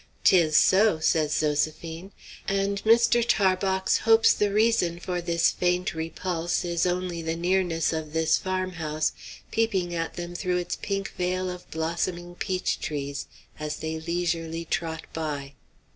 "'Tis so," says Zoséphine; and Mr. Tarbox hopes the reason for this faint repulse is only the nearness of this farmhouse peeping at them through its pink veil of blossoming peach trees, as they leisurely trot by.